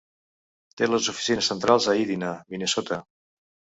Té les oficines centrals a Edina, Minnesota.